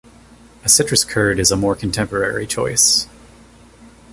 A citrus curd is a more contemporary choice.